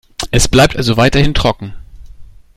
Es bleibt also weiterhin trocken.